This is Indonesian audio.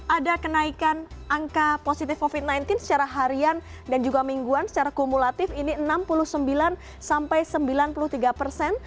ada kenaikan angka positif covid sembilan belas secara harian dan juga mingguan secara kumulatif ini enam puluh sembilan sampai sembilan puluh tiga persen